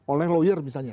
oleh lawyer misalnya